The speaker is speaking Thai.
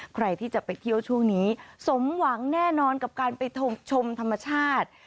ใครที่จะไปเที่ยวช่วงนี้สมหวังแน่นอนกับการไปชมธรรมชาติ